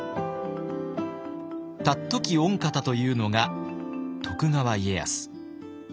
「尊き御方」というのが徳川家康。